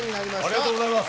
ありがとうございます。